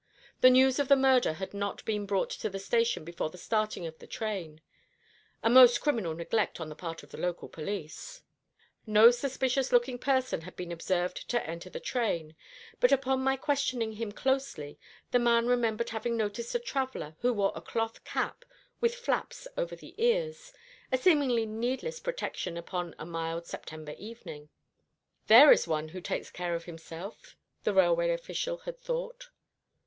The news of the murder had not been brought to the station before the starting of the train: a most criminal neglect on the part of the local police. No suspicious looking person had been observed to enter the train; but upon my questioning him closely, the man remembered having noticed a traveller who wore a cloth cap with flaps over the ears a seemingly needless protection upon a mild September evening. 'There is one who takes care of himself,' the railway official had thought.